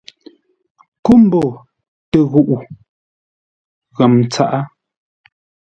Kómboo tə ghuʼu ghəm tsaʼá.